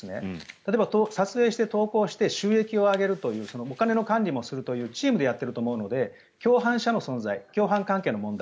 例えば撮影して投稿して収益を上げるというお金の管理もするというチームでやっていると思うので共犯者の存在、共犯関係の問題